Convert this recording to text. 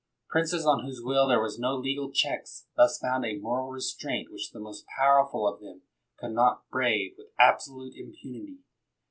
Princes, on whose will there were no legal checks, thus found a moral restraint which the most powerful of them could not brave with ab solute impunity.